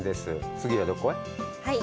次はどこへ？